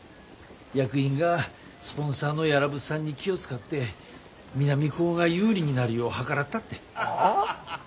役員がスポンサーの屋良物産に気を遣って南高が有利になるよう計らったって。